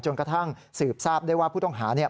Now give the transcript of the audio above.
จนกระทั่งสืบทราบได้ว่าผู้ต้องหา